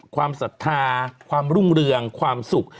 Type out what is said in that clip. ศรัทธาความรุ่งเรืองความสุข